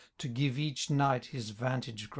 To give each knight his vantage groimd.